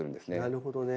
なるほどね。